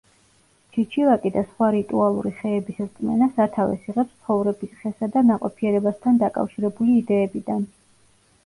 ჩიჩილაკი და სხვა რიტუალური ხეების რწმენა სათავეს იღებს ცხოვრების ხესა და ნაყოფიერებასთან დაკავშირებული იდეებიდან.